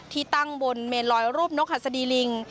ที่ตั้งบนเมนลอยรูปนกหัสดีลิง